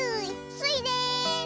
スイです！